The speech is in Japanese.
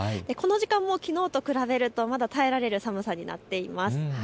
この時間もきのうと比べるとまだ耐えられる寒さになっています。